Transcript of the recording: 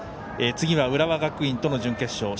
次は浦和学院との準決勝。